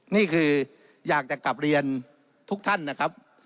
นี่คืออยากจะกลับเรียนทุกท่านนะครับ